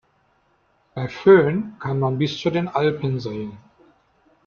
Bei Föhn kann man bis zu den Alpen sehen.